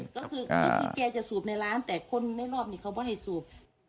ก็คือแกจะสูบในร้านแต่คนในรอบนี้เขาก็ให้สูบ